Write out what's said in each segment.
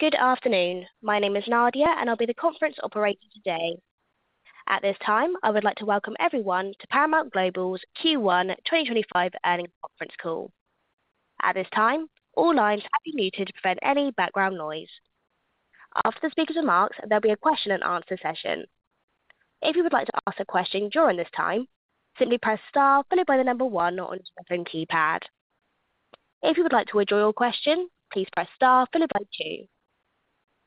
Good afternoon. My name is Nadia, and I'll be the conference operator today. At this time, I would like to welcome everyone to Paramount Global's Q1 2025 earnings conference call. At this time, all lines have been muted to prevent any background noise. After the speakers are finished, there'll be a question-and-answer session. If you would like to ask a question during this time, simply press star followed by the number one on your keypad. If you would like to withdraw your question, please press star followed by two.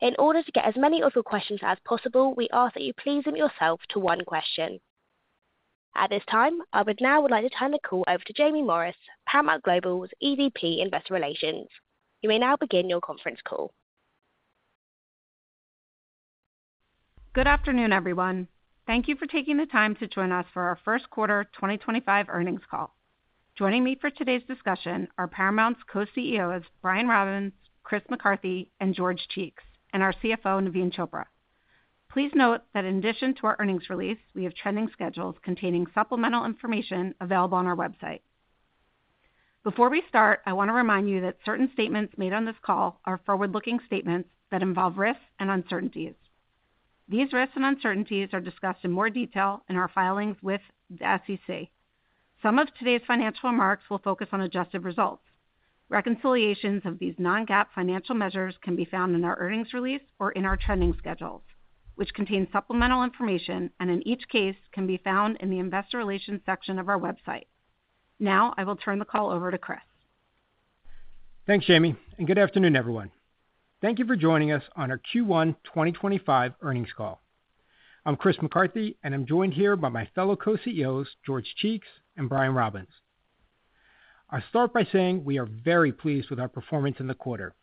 In order to get as many of your questions as possible, we ask that you please limit yourself to one question. At this time, I would now like to turn the call over to Jaime Morris, Paramount Global's EVP of Investor Relations. You may now begin your conference call. Good afternoon, everyone. Thank you for taking the time to join us for our first quarter 2025 earnings call. Joining me for today's discussion are Paramount's co-CEOs Brian Robbins, Chris McCarthy, and George Cheeks, and our CFO, Naveen Chopra. Please note that in addition to our earnings release, we have trending schedules containing supplemental information available on our website. Before we start, I want to remind you that certain statements made on this call are forward-looking statements that involve risks and uncertainties. These risks and uncertainties are discussed in more detail in our filings with the SEC. Some of today's financial remarks will focus on adjusted results. Reconciliations of these non-GAAP financial measures can be found in our earnings release or in our trending schedules, which contain supplemental information and, in each case, can be found in the Investor Relations section of our website. Now, I will turn the call over to Chris. Thanks, Jaime, and good afternoon, everyone. Thank you for joining us on our Q1 2025 earnings call. I'm Chris McCarthy, and I'm joined here by my fellow co-CEOs, George Cheeks and Brian Robbins. I'll start by saying we are very pleased with our performance in the quarter.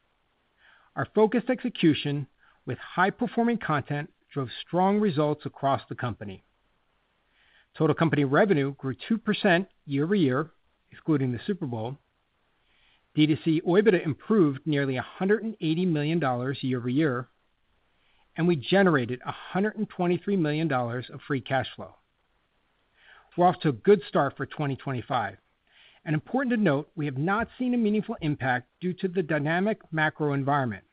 Our focused execution with high-performing content drove strong results across the company. Total company revenue grew 2% year-over-year, excluding the Super Bowl. DTC Adjusted OIBDA improved nearly $180 million year-over-year, and we generated $123 million of free cash flow. We're off to a good start for 2025, and important to note, we have not seen a meaningful impact due to the dynamic macro environment.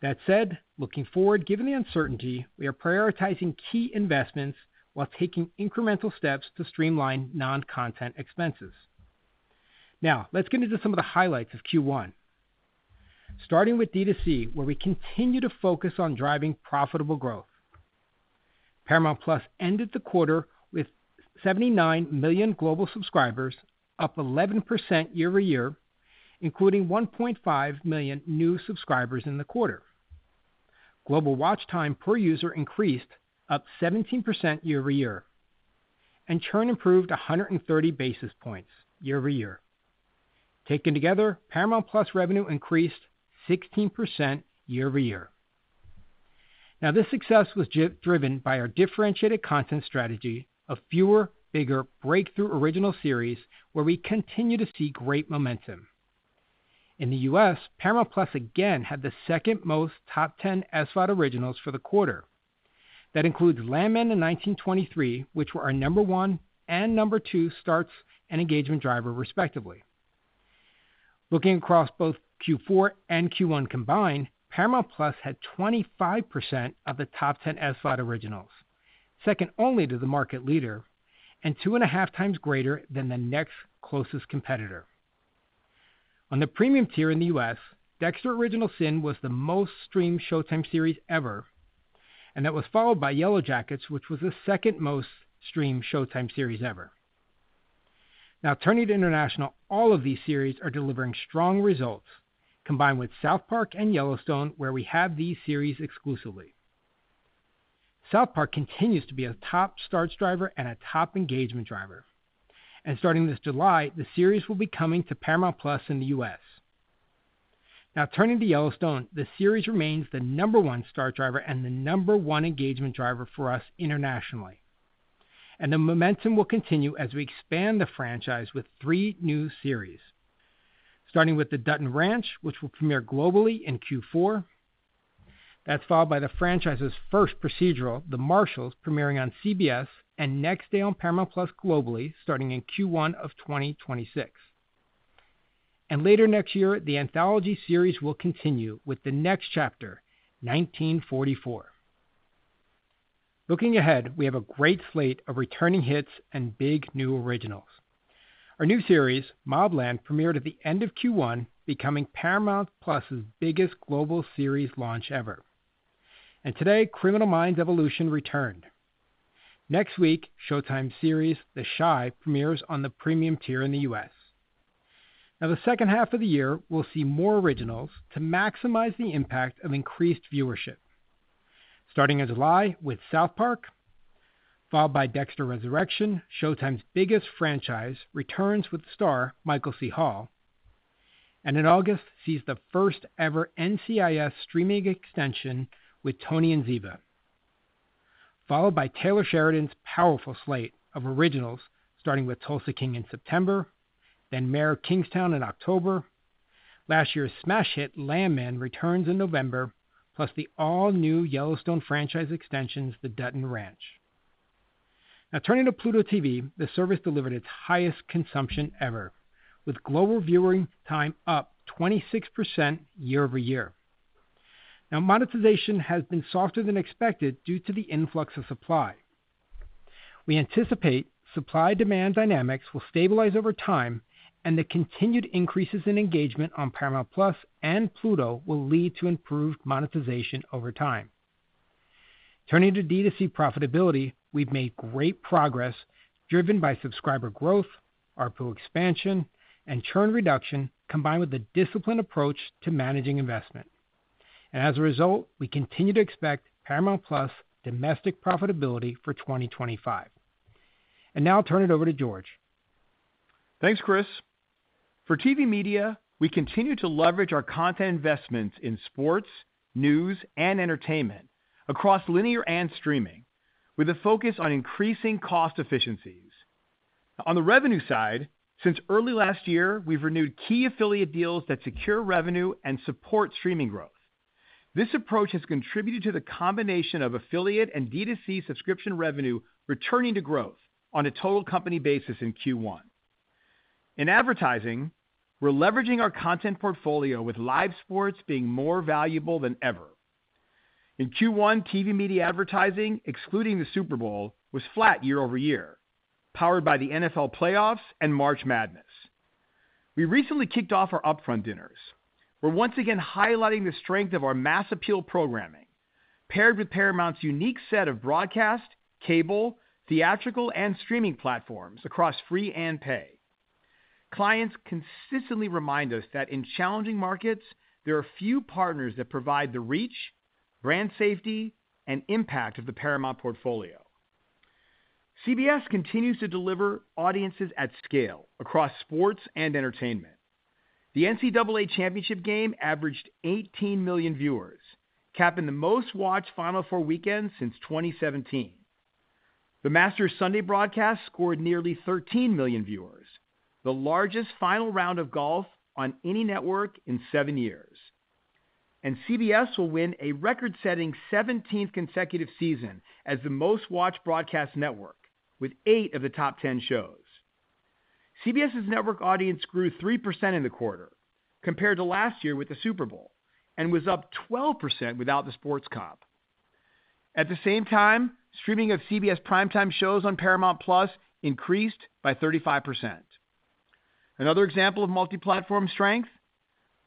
That said, looking forward, given the uncertainty, we are prioritizing key investments while taking incremental steps to streamline non-content expenses. Now, let's get into some of the highlights of Q1, starting with DTC, where we continue to focus on driving profitable Paramount+ ended the quarter with 79 million global subscribers, up 11% year-over-year, including 1.5 million new subscribers in the quarter. Global watch time per user increased, up 17% year-over-year, and churn improved 130 basis points year-over-year. Taken Paramount+ revenue increased 16% year-over-year. Now, this success was driven by our differentiated content strategy of fewer, bigger, breakthrough original series, where we continue to see great momentum. In the U.S. Paramount+ again had the second most top 10 SVOD originals for the quarter. That includes Landman and 1923, which were our number one and number two starts and engagement driver, respectively. Looking across both Q4 and Q1 Paramount+ had 25% of the top 10 SVOD originals, second only to the market leader and two and a half times greater than the next closest competitor. On the premium tier in the U.S., Dexter: Original Sin was the most streamed Showtime series ever, and that was followed by Yellowjackets, which was the second most streamed Showtime series ever. Now, turning to International, all of these series are delivering strong results, combined with South Park and Yellowstone, where we have these series exclusively. South Park continues to be a top starts driver and a top engagement driver, and starting this July, the series will be coming Paramount+ in the U.S. Now, turning to Yellowstone, the series remains the number one start driver and the number one engagement driver for us internationally. The momentum will continue as we expand the franchise with three new series, starting with The Dutton Ranch, which will premiere globally in Q4. That's followed by the franchise's first procedural, The Marshals, premiering on CBS and next day Paramount+ globally, starting in Q1 of 2026. Later next year, the anthology series will continue with the next chapter, 1944. Looking ahead, we have a great slate of returning hits and big new originals. Our new series, Mobland, premiered at the end of Q1, Paramount+'s biggest global series launch ever. Today, Criminal Minds: Evolution returned. Next week, Showtime series The Chi premieres on the premium tier in the U.S. Now, the second half of the year, we'll see more originals to maximize the impact of increased viewership. Starting in July with South Park, followed by Dexter: Resurrection, Showtime's biggest franchise, returns with the star Michael C. Hall, and in August sees the first ever NCIS: Tony & Ziva, followed by Taylor Sheridan's powerful slate of originals, starting with Tulsa King in September, then Mayor of Kingstown in October. Last year's smash hit Landman returns in November, plus the all-new Yellowstone franchise extensions, The Dutton Ranch. Now, turning to Pluto TV, the service delivered its highest consumption ever, with global viewing time up 26% year-over-year. Now, monetization has been softer than expected due to the influx of supply. We anticipate supply-demand dynamics will stabilize over time, and the continued increases in engagement Paramount+ and Pluto will lead to improved monetization over time. Turning to DTC profitability, we've made great progress driven by subscriber growth, our ARPU expansion, and churn reduction, combined with a disciplined approach to managing investment. And as a result, we continue to Paramount+ domestic profitability for 2025. And now I'll turn it over to George. Thanks, Chris. For TV Media, we continue to leverage our content investments in sports, news, and entertainment across linear and streaming, with a focus on increasing cost efficiencies. On the revenue side, since early last year, we've renewed key affiliate deals that secure revenue and support streaming growth. This approach has contributed to the combination of affiliate and DTC subscription revenue returning to growth on a total company basis in Q1. In advertising, we're leveraging our content portfolio, with live sports being more valuable than ever. In Q1, TV Media advertising, excluding the Super Bowl, was flat year-over-year, powered by the NFL playoffs and March Madness. We recently kicked off our upfront dinners. We're once again highlighting the strength of our mass appeal programming, paired with Paramount's unique set of broadcast, cable, theatrical, and streaming platforms across free and pay. Clients consistently remind us that in challenging markets, there are few partners that provide the reach, brand safety, and impact of the Paramount portfolio. CBS continues to deliver audiences at scale across sports and entertainment. The NCAA Championship game averaged 18 million viewers, capping the most-watched Final Four weekend since 2017. The Masters Sunday broadcast scored nearly 13 million viewers, the largest final round of golf on any network in seven years, and CBS will win a record-setting 17th consecutive season as the most-watched broadcast network, with eight of the top 10 shows. CBS's network audience grew 3% in the quarter, compared to last year with the Super Bowl, and was up 12% without the sports comp. At the same time, streaming of CBS primetime shows Paramount+ increased by 35%. Another example of multi-platform strength?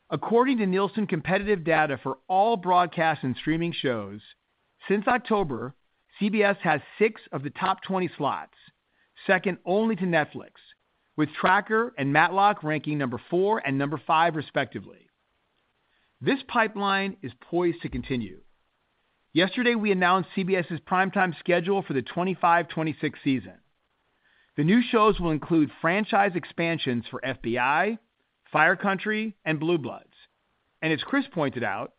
According to Nielsen competitive data for all broadcast and streaming shows, since October, CBS has six of the top 20 slots, second only to Netflix, with Tracker and Matlock ranking number four and number five, respectively. This pipeline is poised to continue. Yesterday, we announced CBS's primetime schedule for the 2025-2026 season. The new shows will include franchise expansions for FBI, Fire Country, and Blue Bloods. And as Chris pointed out,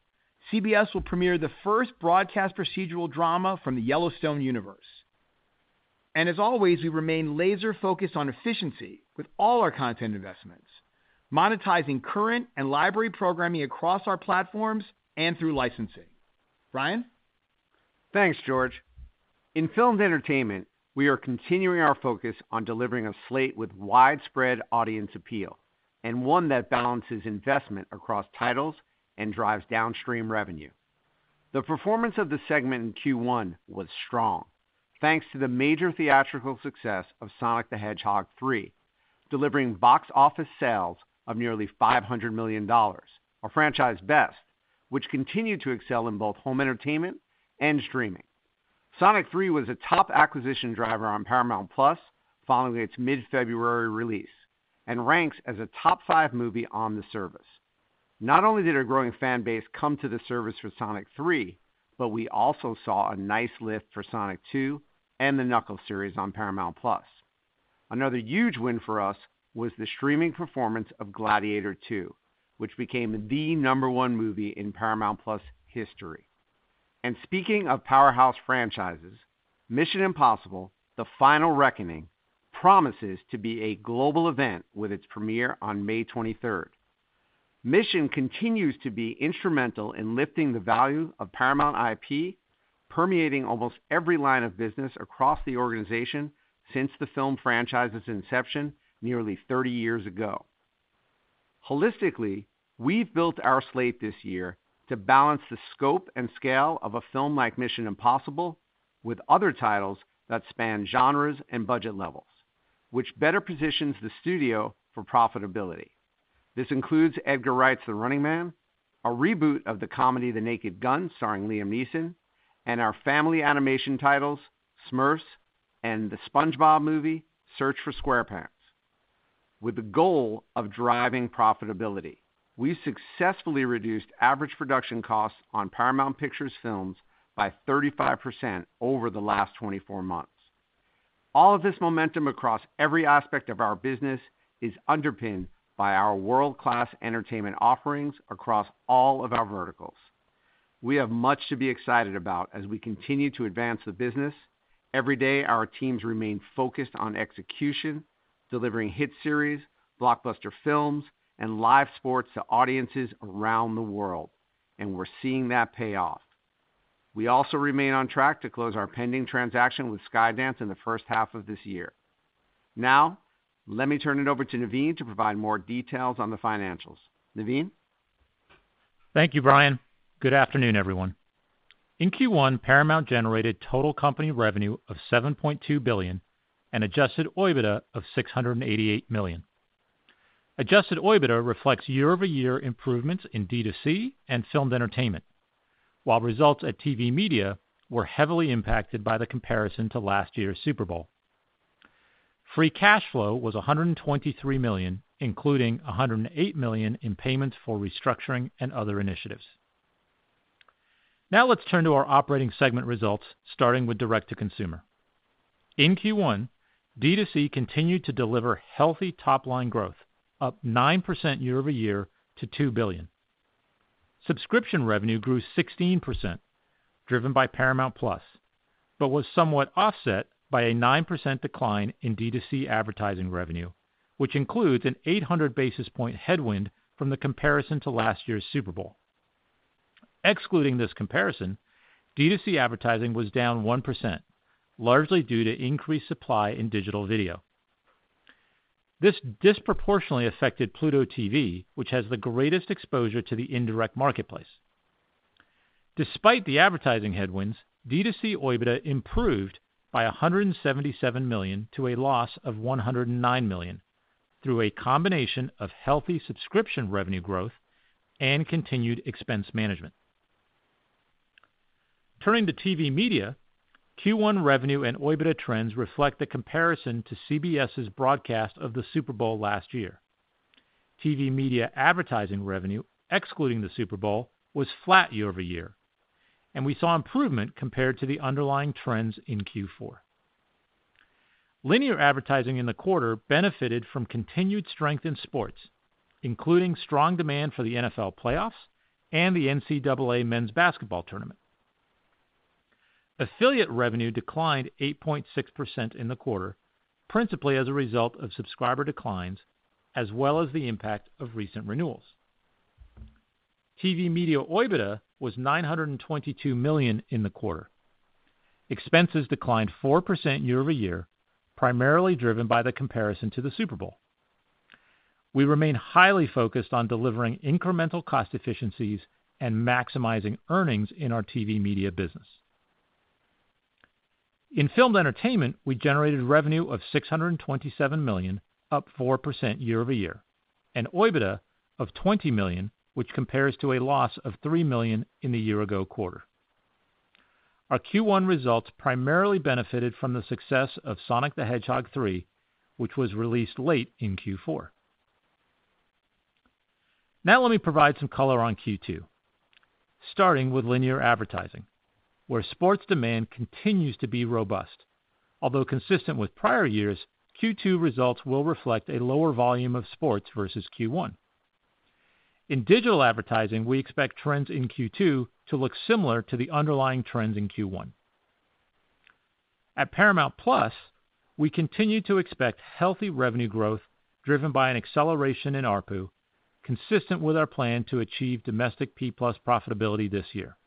CBS will premiere the first broadcast procedural drama from the Yellowstone universe. And as always, we remain laser-focused on efficiency with all our content investments, monetizing current and library programming across our platforms and through licensing. Brian? Thanks, George. In film and entertainment, we are continuing our focus on delivering a slate with widespread audience appeal and one that balances investment across titles and drives downstream revenue. The performance of the segment in Q1 was strong, thanks to the major theatrical success of Sonic the Hedgehog 3, delivering box office sales of nearly $500 million, our franchise's best, which continued to excel in both home entertainment and streaming. Sonic 3 was a top acquisition driver Paramount+ following its mid-February release and ranks as a top five movie on the service. Not only did our growing fan base come to the service for Sonic 3, but we also saw a nice lift for Sonic 2 and the Knuckles series Paramount+. another huge win for us was the streaming performance of Gladiator II, which became the number one movie Paramount+ history. Speaking of powerhouse franchises, Mission: Impossible - The Final Reckoning promises to be a global event with its premiere on May 23rd. Mission continues to be instrumental in lifting the value of Paramount IP, permeating almost every line of business across the organization since the film franchise's inception nearly 30 years ago. Holistically, we've built our slate this year to balance the scope and scale of a film like Mission: Impossible with other titles that span genres and budget levels, which better positions the studio for profitability. This includes Edgar Wright's The Running Man, a reboot of the comedy The Naked Gun starring Liam Neeson, and our family animation titles, Smurfs, and the SpongeBob movie, Search for SquarePants. With the goal of driving profitability, we've successfully reduced average production costs on Paramount Pictures films by 35% over the last 24 months. All of this momentum across every aspect of our business is underpinned by our world-class entertainment offerings across all of our verticals. We have much to be excited about as we continue to advance the business. Every day, our teams remain focused on execution, delivering hit series, blockbuster films, and live sports to audiences around the world, and we're seeing that pay off. We also remain on track to close our pending transaction with Skydance in the first half of this year. Now, let me turn it over to Naveen to provide more details on the financials. Naveen? Thank you, Brian. Good afternoon, everyone. In Q1, Paramount generated total company revenue of $7.2 billion and adjusted OIBDA of $688 million. Adjusted OIBDA reflects year-over-year improvements in DTC and Film Entertainment, while results at TV Media were heavily impacted by the comparison to last year's Super Bowl. Free cash flow was $123 million, including $108 million in payments for restructuring and other initiatives. Now, let's turn to our operating segment results, starting with Direct-to-Consumer. In Q1, DTC continued to deliver healthy top-line growth, up 9% year-over-year to $2 billion. Subscription revenue grew 16%, driven by Paramount+, but was somewhat offset by a 9% decline in DTC advertising revenue, which includes an 800 basis points headwind from the comparison to last year's Super Bowl. Excluding this comparison, DTC advertising was down 1%, largely due to increased supply in digital video. This disproportionately affected Pluto TV, which has the greatest exposure to the indirect marketplace. Despite the advertising headwinds, DTC OIBDA improved by $177 million to a loss of $109 million through a combination of healthy subscription revenue growth and continued expense management. Turning to TV Media, Q1 revenue and OIBDA trends reflect the comparison to CBS's broadcast of the Super Bowl last year. TV Media advertising revenue, excluding the Super Bowl, was flat year-over-year, and we saw improvement compared to the underlying trends in Q4. Linear advertising in the quarter benefited from continued strength in sports, including strong demand for the NFL playoffs and the NCAA men's basketball tournament. Affiliate revenue declined 8.6% in the quarter, principally as a result of subscriber declines, as well as the impact of recent renewals. TV Media OIBDA was $922 million in the quarter. Expenses declined 4% year-over-year, primarily driven by the comparison to the Super Bowl. We remain highly focused on delivering incremental cost efficiencies and maximizing earnings in our TV Media business. In Film Entertainment, we generated revenue of $627 million, up 4% year-over-year, and OIBDA of $20 million, which compares to a loss of $3 million in the year-ago quarter. Our Q1 results primarily benefited from the success of Sonic the Hedgehog 3, which was released late in Q4. Now, let me provide some color on Q2, starting with linear advertising, where sports demand continues to be robust. Although consistent with prior years, Q2 results will reflect a lower volume of sports versus Q1. In digital advertising, we expect trends in Q2 to look similar to the underlying trends in Q1. Paramount+, we continue to expect healthy revenue growth driven by an acceleration in ARPU, consistent with our plan to achieve domestic P+ profitability this year.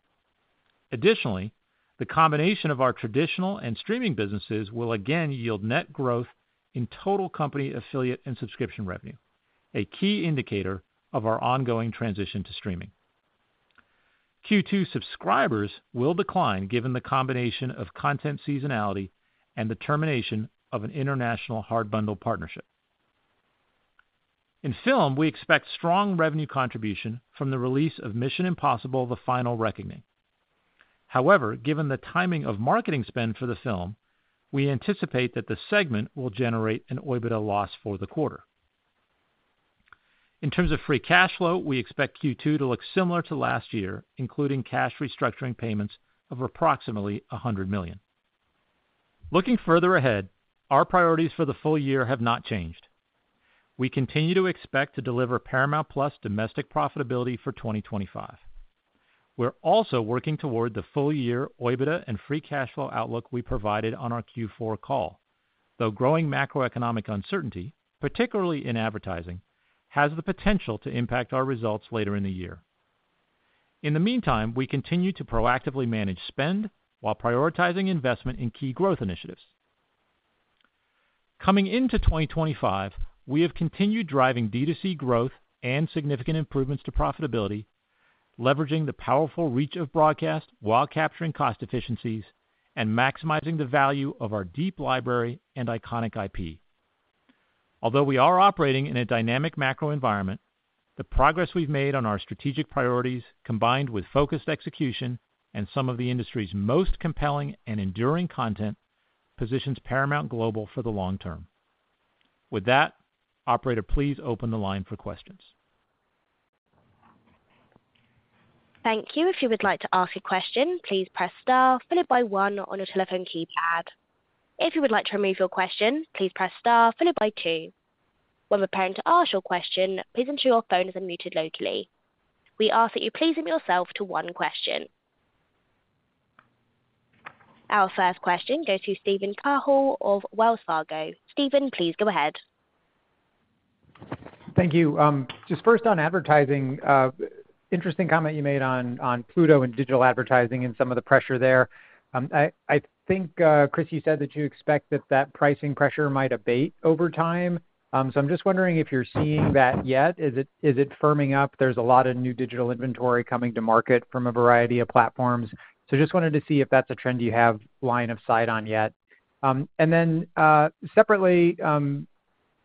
Additionally, the combination of our traditional and streaming businesses will again yield net growth in total company affiliate and subscription revenue, a key indicator of our ongoing transition to streaming. Q2 subscribers will decline given the combination of content seasonality and the termination of an international hard bundle partnership. In film, we expect strong revenue contribution from the release of Mission: Impossible - The Final Reckoning. However, given the timing of marketing spend for the film, we anticipate that the segment will generate an OIBDA loss for the quarter. In terms of free cash flow, we expect Q2 to look similar to last year, including cash restructuring payments of approximately $100 million. Looking further ahead, our priorities for the full year have not changed. We continue to expect to Paramount+ domestic profitability for 2025. We're also working toward the full-year OIBDA and free cash flow outlook we provided on our Q4 call, though growing macroeconomic uncertainty, particularly in advertising, has the potential to impact our results later in the year. In the meantime, we continue to proactively manage spend while prioritizing investment in key growth initiatives. Coming into 2025, we have continued driving DTC growth and significant improvements to profitability, leveraging the powerful reach of broadcast while capturing cost efficiencies and maximizing the value of our deep library and iconic IP. Although we are operating in a dynamic macro environment, the progress we've made on our strategic priorities, combined with focused execution and some of the industry's most compelling and enduring content, positions Paramount Global for the long term. With that, operator, please open the line for questions. Thank you. If you would like to ask a question, please press star followed by one on your telephone keypad. If you would like to remove your question, please press star followed by two. When preparing to ask your question, please ensure your phone is unmuted locally. We ask that you please limit yourself to one question. Our first question goes to Steven Cahall of Wells Fargo. Steven, please go ahead. Thank you. Just first on advertising, interesting comment you made on Pluto and digital advertising and some of the pressure there. I think, Chris, you said that you expect that that pricing pressure might abate over time. So I'm just wondering if you're seeing that yet. Is it firming up? There's a lot of new digital inventory coming to market from a variety of platforms. So just wanted to see if that's a trend you have line of sight on yet. And then separately,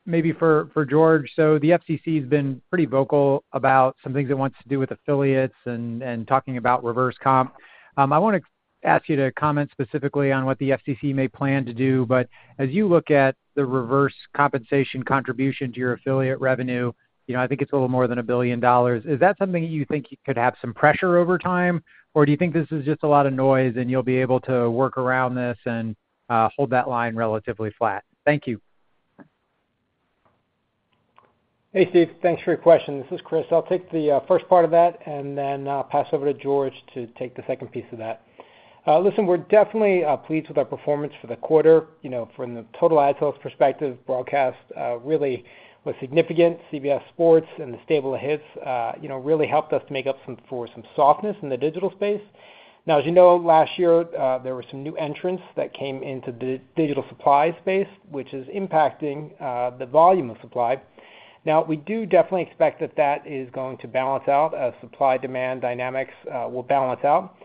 maybe for George, so the FCC has been pretty vocal about some things it wants to do with affiliates and talking about reverse comp. I want to ask you to comment specifically on what the FCC may plan to do. But as you look at the reverse compensation contribution to your affiliate revenue, I think it's a little more than $1 billion. Is that something that you think you could have some pressure over time, or do you think this is just a lot of noise and you'll be able to work around this and hold that line relatively flat? Thank you. Hey, Steve, thanks for your question. This is Chris. I'll take the first part of that and then pass over to George to take the second piece of that. Listen, we're definitely pleased with our performance for the quarter. From the total ad sales perspective, broadcast really was significant. CBS Sports and the stable hits really helped us to make up for some softness in the digital space. Now, as you know, last year, there were some new entrants that came into the digital supply space, which is impacting the volume of supply. Now, we do definitely expect that that is going to balance out as supply-demand dynamics will balance out.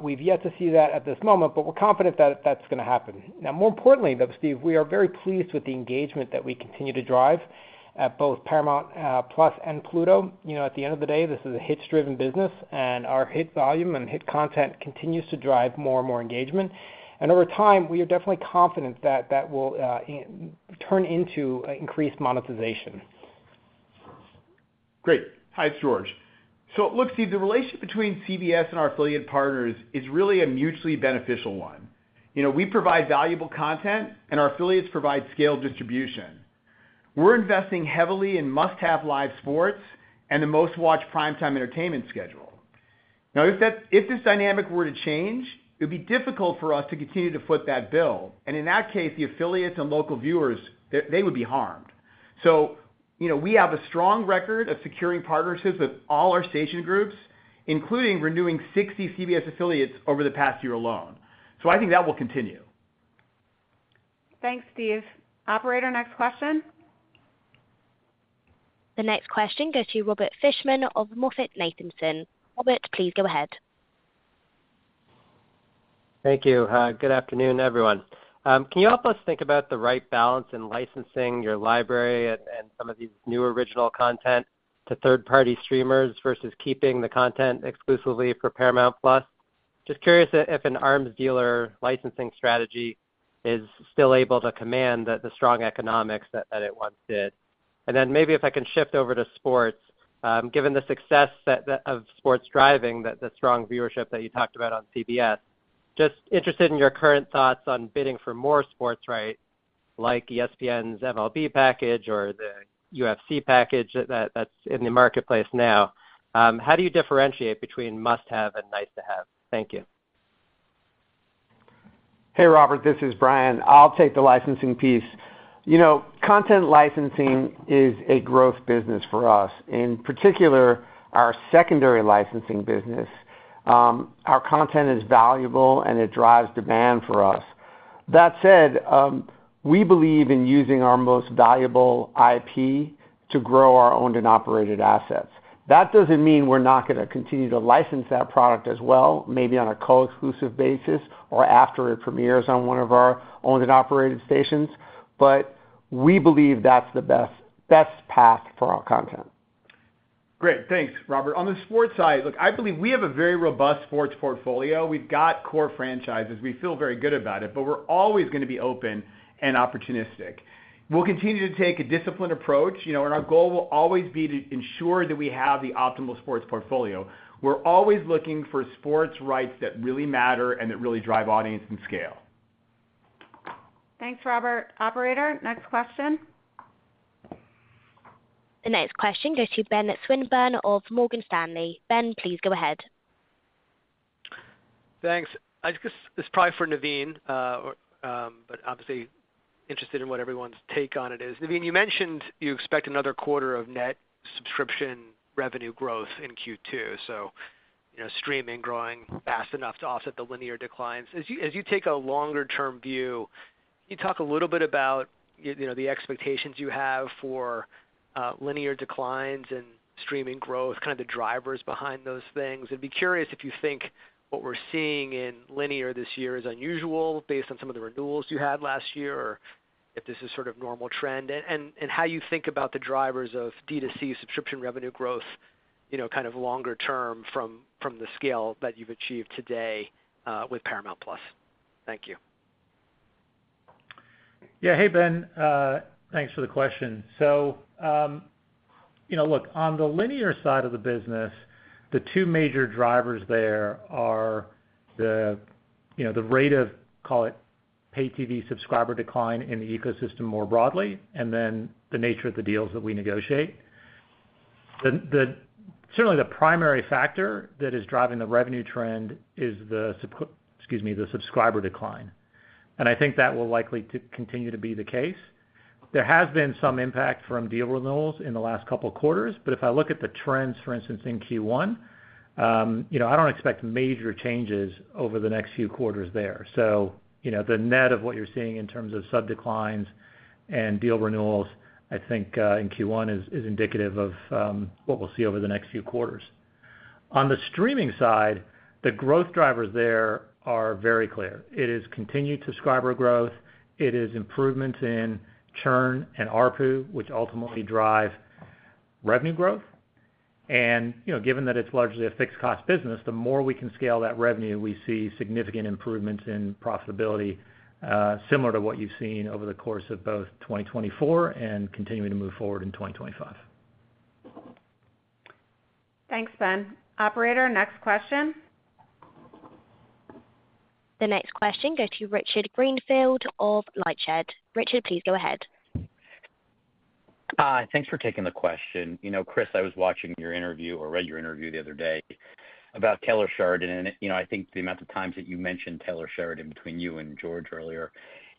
We've yet to see that at this moment, but we're confident that that's going to happen. Now, more importantly, though, Steve, we are very pleased with the engagement that we continue to drive at Paramount+ and Pluto. At the end of the day, this is a hits-driven business, and our hit volume and hit content continues to drive more and more engagement, and over time, we are definitely confident that that will turn into increased monetization. Great. Hi, it's George. So it looks, Steve, the relationship between CBS and our affiliate partners is really a mutually beneficial one. We provide valuable content, and our affiliates provide scaled distribution. We're investing heavily in must-have live sports and the most-watched primetime entertainment schedule. Now, if this dynamic were to change, it would be difficult for us to continue to foot that bill. And in that case, the affiliates and local viewers, they would be harmed. So we have a strong record of securing partnerships with all our station groups, including renewing 60 CBS affiliates over the past year alone. So I think that will continue. Thanks, Steve. Operator, next question. The next question goes to Robert Fishman of MoffettNathanson. Robert, please go ahead. Thank you. Good afternoon, everyone. Can you help us think about the right balance in licensing your library and some of these new original content to third-party streamers versus keeping the content exclusively Paramount+? just curious if an arms-length licensing strategy is still able to command the strong economics that it once did. And then maybe if I can shift over to sports, given the success of sports driving the strong viewership that you talked about on CBS, just interested in your current thoughts on bidding for more sports rights like ESPN's MLB package or the UFC package that's in the marketplace now. How do you differentiate between must-have and nice-to-have? Thank you. Hey, Robert, this is Brian. I'll take the licensing piece. Content licensing is a growth business for us, in particular our secondary licensing business. Our content is valuable, and it drives demand for us. That said, we believe in using our most valuable IP to grow our owned and operated assets. That doesn't mean we're not going to continue to license that product as well, maybe on a co-exclusive basis or after it premieres on one of our owned and operated stations, but we believe that's the best path for our content. Great. Thanks, Robert. On the sports side, look, I believe we have a very robust sports portfolio. We've got core franchises. We feel very good about it, but we're always going to be open and opportunistic. We'll continue to take a disciplined approach, and our goal will always be to ensure that we have the optimal sports portfolio. We're always looking for sports rights that really matter and that really drive audience and scale. Thanks, Robert. Operator, next question. The next question goes to Ben Swinburne of Morgan Stanley. Ben, please go ahead. Thanks. This is probably for Naveen, but obviously interested in what everyone's take on it is. Naveen, you mentioned you expect another quarter of net subscription revenue growth in Q2, so streaming growing fast enough to offset the linear declines. As you take a longer-term view, can you talk a little bit about the expectations you have for linear declines and streaming growth, kind of the drivers behind those things? And be curious if you think what we're seeing in linear this year is unusual based on some of the renewals you had last year, or if this is sort of normal trend, and how you think about the drivers of DTC subscription revenue growth kind of longer term from the scale that you've achieved today with Paramount+. Thank you. Yeah. Hey, Ben. Thanks for the question. So look, on the linear side of the business, the two major drivers there are the rate of, call it, pay TV subscriber decline in the ecosystem more broadly, and then the nature of the deals that we negotiate. Certainly, the primary factor that is driving the revenue trend is the subscriber decline. And I think that will likely continue to be the case. There has been some impact from deal renewals in the last couple of quarters, but if I look at the trends, for instance, in Q1, I don't expect major changes over the next few quarters there. So the net of what you're seeing in terms of sub-declines and deal renewals, I think in Q1 is indicative of what we'll see over the next few quarters. On the streaming side, the growth drivers there are very clear. It is continued subscriber growth. It is improvements in churn and ARPU, which ultimately drive revenue growth, and given that it's largely a fixed-cost business, the more we can scale that revenue, we see significant improvements in profitability similar to what you've seen over the course of both 2024 and continuing to move forward in 2025. Thanks, Ben. Operator, next question. The next question goes to Richard Greenfield of LightShed. Richard, please go ahead. Hi. Thanks for taking the question. Chris, I was watching your interview or read your interview the other day about Taylor Sheridan, and I think the amount of times that you mentioned Taylor Sheridan between you and George earlier,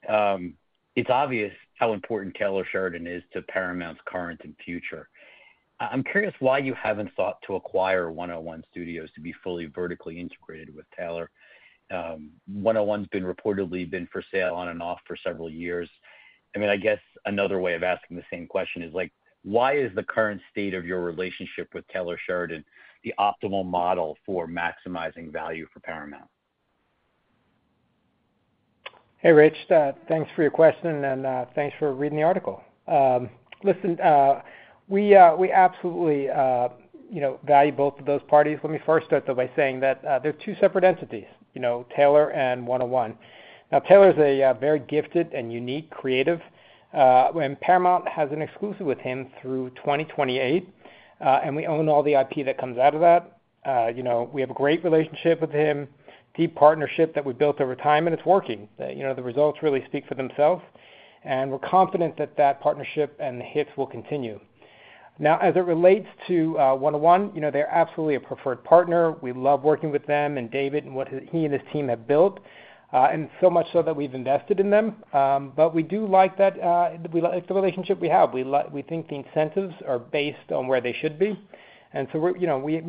it's obvious how important Taylor Sheridan is to Paramount's current and future. I'm curious why you haven't thought to acquire 101 Studios to be fully vertically integrated with Taylor. 101's been reportedly for sale on and off for several years. I mean, I guess another way of asking the same question is, why is the current state of your relationship with Taylor Sheridan the optimal model for maximizing value for Paramount? Hey, Rich. Thanks for your question, and thanks for reading the article. Listen, we absolutely value both of those parties. Let me first start by saying that they're two separate entities, Taylor and 101. Now, Taylor is a very gifted and unique creative, and Paramount has an exclusive with him through 2028, and we own all the IP that comes out of that. We have a great relationship with him, deep partnership that we built over time, and it's working. The results really speak for themselves, and we're confident that that partnership and the hits will continue. Now, as it relates to 101, they're absolutely a preferred partner. We love working with them and David and what he and his team have built, and so much so that we've invested in them. But we do like the relationship we have. We think the incentives are based on where they should be, and so we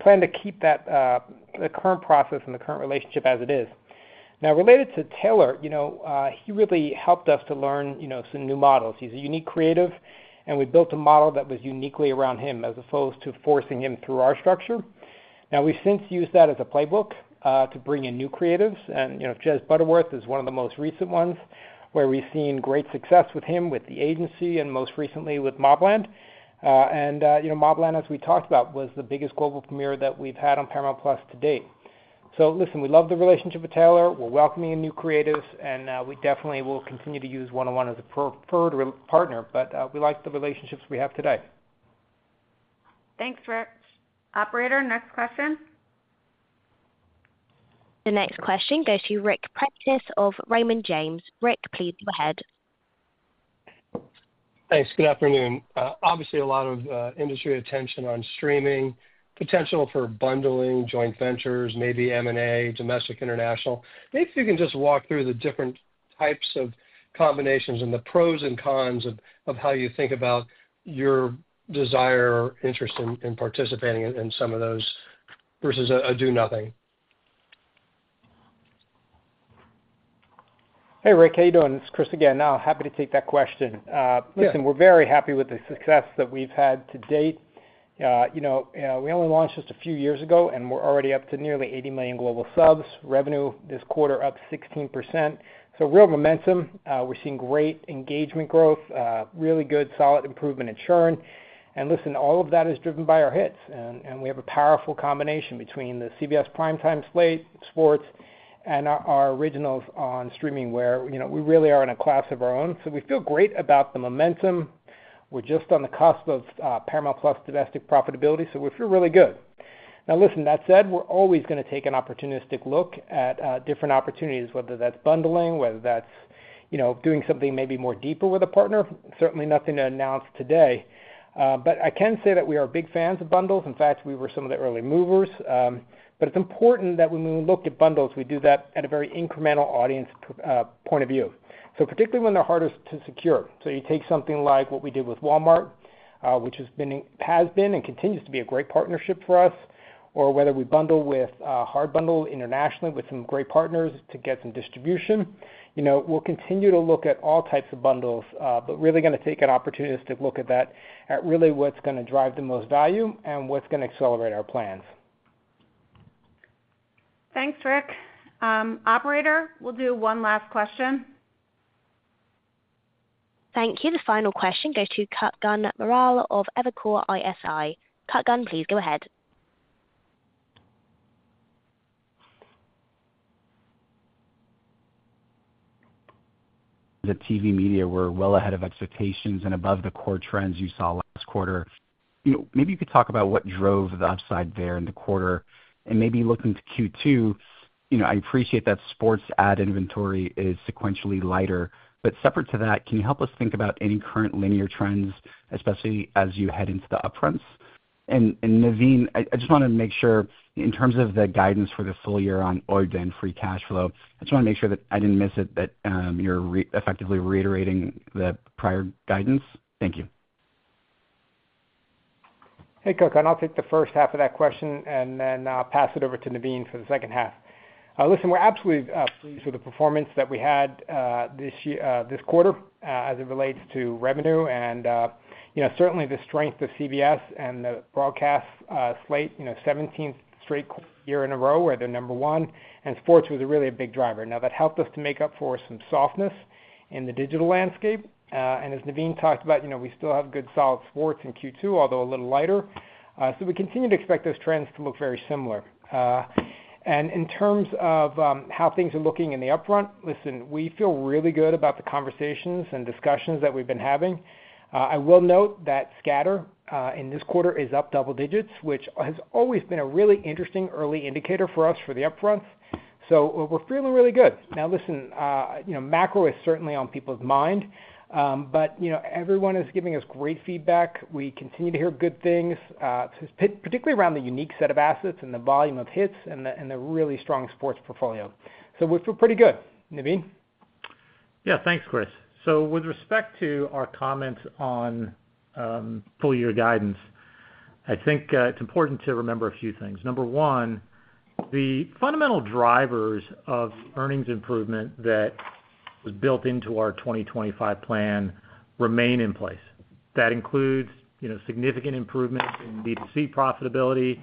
plan to keep that current process and the current relationship as it is. Now, related to Taylor, he really helped us to learn some new models. He's a unique creative, and we built a model that was uniquely around him as opposed to forcing him through our structure. Now, we've since used that as a playbook to bring in new creatives, and Jez Butterworth is one of the most recent ones where we've seen great success with him, with The Agency, and most recently with Mobland, and Mobland, as we talked about, was the biggest global premiere that we've had Paramount+ to date, so listen, we love the relationship with Taylor. We're welcoming new creatives, and we definitely will continue to use 101 as a preferred partner, but we like the relationships we have today. Thanks, Rich. Operator, next question. The next question goes to Ric Prentiss of Raymond James. Ric, please go ahead. Thanks. Good afternoon. Obviously, a lot of industry attention on streaming, potential for bundling, joint ventures, maybe M&A, domestic, international. Maybe if you can just walk through the different types of combinations and the pros and cons of how you think about your desire or interest in participating in some of those versus a do nothing? Hey, Rick. How are you doing? It's Chris again. Happy to take that question. Listen, we're very happy with the success that we've had to date. We only launched just a few years ago, and we're already up to nearly 80 million global subs. Revenue this quarter up 16%, so real momentum. We're seeing great engagement growth, really good solid improvement in churn. And listen, all of that is driven by our hits. And we have a powerful combination between the CBS primetime slate sports and our originals on streaming where we really are in a class of our own. So we feel great about the momentum. We're just on the cusp Paramount+ domestic profitability. So we feel really good. Now, listen, that said, we're always going to take an opportunistic look at different opportunities, whether that's bundling, whether that's doing something maybe more deeper with a partner. Certainly nothing to announce today. But I can say that we are big fans of bundles. In fact, we were some of the early movers. But it's important that when we look at bundles, we do that at a very incremental audience point of view, so particularly when they're hardest to secure. So you take something like what we did with Walmart, which has been and continues to be a great partnership for us, or whether we bundle with hard bundle internationally with some great partners to get some distribution. We'll continue to look at all types of bundles, but really going to take an opportunistic look at that, at really what's going to drive the most value and what's going to accelerate our plans. Thanks, Ric. Operator, we'll do one last question. Thank you. The final question goes to Kutgun Maral of Evercore ISI. Kutgun, please go ahead. The TV Media were well ahead of expectations and above the core trends you saw last quarter. Maybe you could talk about what drove the upside there in the quarter? And maybe looking to Q2, I appreciate that sports ad inventory is sequentially lighter. But separate to that, can you help us think about any current linear trends, especially as you head into the upfronts? And Naveen, I just want to make sure in terms of the guidance for the full year on OIBDA free cash flow, I just want to make sure that I didn't miss it, that you're effectively reiterating the prior guidance. Thank you. Hey, Kutgun, I'll take the first half of that question and then pass it over to Naveen for the second half. Listen, we're absolutely pleased with the performance that we had this quarter as it relates to revenue. And certainly the strength of CBS and the broadcast slate, 17th straight year in a row where they're number one. And sports was really a big driver. Now, that helped us to make up for some softness in the digital landscape. And as Naveen talked about, we still have good solid sports in Q2, although a little lighter. So we continue to expect those trends to look very similar. And in terms of how things are looking in the upfront, listen, we feel really good about the conversations and discussions that we've been having. I will note that scatter in this quarter is up double digits, which has always been a really interesting early indicator for us for the upfronts. So we're feeling really good. Now, listen, macro is certainly on people's mind, but everyone is giving us great feedback. We continue to hear good things, particularly around the unique set of assets and the volume of hits and the really strong sports portfolio. So we feel pretty good. Naveen? Yeah. Thanks, Chris. So with respect to our comments on full year guidance, I think it's important to remember a few things. Number one, the fundamental drivers of earnings improvement that was built into our 2025 plan remain in place. That includes significant improvements in DTC profitability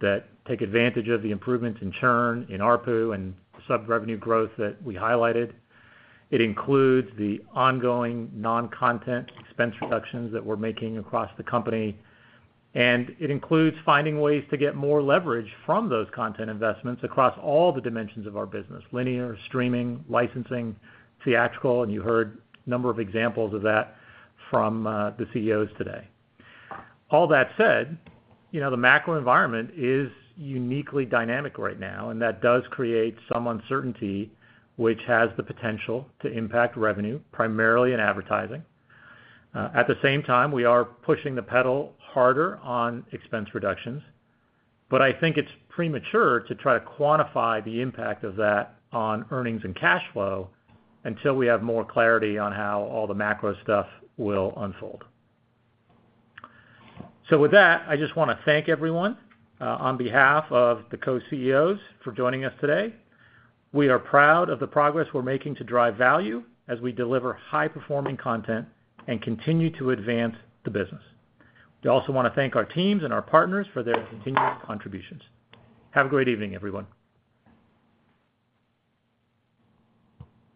that take advantage of the improvements in churn, in ARPU, and sub-revenue growth that we highlighted. It includes the ongoing non-content expense reductions that we're making across the company. And it includes finding ways to get more leverage from those content investments across all the dimensions of our business: linear, streaming, licensing, theatrical, and you heard a number of examples of that from the CEOs today. All that said, the macro environment is uniquely dynamic right now, and that does create some uncertainty, which has the potential to impact revenue, primarily in advertising. At the same time, we are pushing the pedal harder on expense reductions, but I think it's premature to try to quantify the impact of that on earnings and cash flow until we have more clarity on how all the macro stuff will unfold. So with that, I just want to thank everyone on behalf of the co-CEOs for joining us today. We are proud of the progress we're making to drive value as we deliver high-performing content and continue to advance the business. We also want to thank our teams and our partners for their continued contributions. Have a great evening, everyone.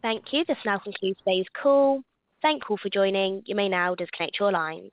Thank you. This now concludes today's call. Thank you all for joining. You may now disconnect your line.